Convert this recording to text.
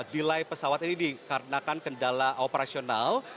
delay pesawat ini dikarenakan kendala operasional